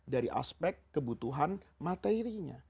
dari aspek kebutuhan materinya